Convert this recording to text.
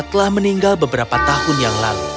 telah meninggal beberapa tahun yang lalu